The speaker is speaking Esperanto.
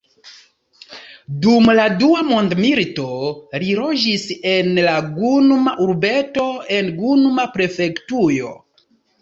Dum la Dua Mondmilito, li loĝis en la Gunma-urbeto en Gunma-prefektujo.